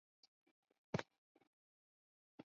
并不是每一种元件都遵守欧姆定律。